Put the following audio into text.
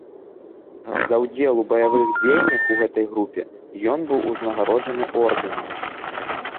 За ўдзел у баявых дзеяннях у гэтай групе ён быў узнагароджаны ордэнам.